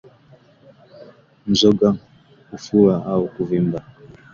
Mzoga hufura au kuvimba